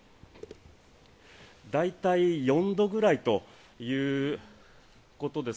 大体４度くらいということです。